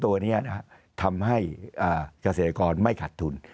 ตัวนี้ทำให้เกษตรกรไม่ขัดทุน